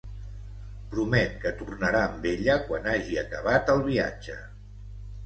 Promet que tornarà amb ella quan hagi acabat el viatge.